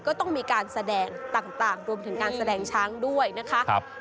ก็ต้องมีการแสดงต่างรวมถึงการแสดงช้างด้วยนะคะ